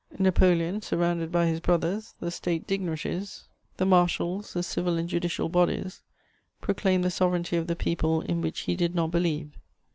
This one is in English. Napoleon, surrounded by his brothers, the State dignitaries, the marshals, the civil and judicial bodies, proclaimed the sovereignty of the people in which he did not believe.